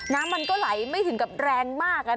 น้ำมันก็ไหลไม่ถึงกับแรงมาก